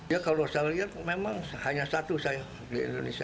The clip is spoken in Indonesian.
ya kalau saya lihat memang hanya satu saya di indonesia